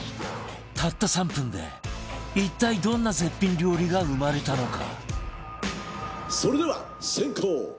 たった３分で一体どんな絶品料理が生まれたのか？